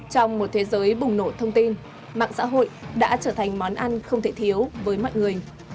trong một thế giới bùng nổ thông tin mạng xã hội đã trở thành món ăn không thể thiếu với mọi người